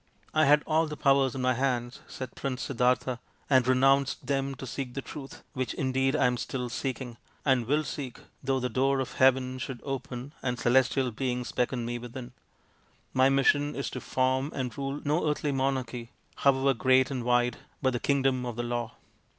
" I had all these powers in my hands," said Prince Siddartha, " and renounced them to seek the Truth, which indeed I am still seeking, and will seek though the door of Heaven should open and celestial beings beckon me within. My mission is to form and rule no earthly monarchy however great and wide, but the Kingdom of the Law.